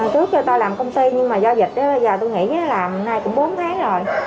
trước tôi làm công ty nhưng mà do dịch đó bây giờ tôi nghĩ là nay cũng bốn tháng rồi